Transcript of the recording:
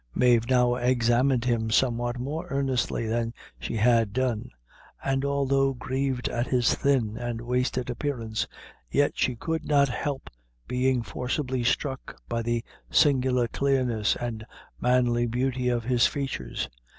Mave now examined him somewhat more earnestly than she had done; and although grieved at his thin and wasted appearance, yet she could not help being forcibly struck by the singular clearness and manly beauty of his features.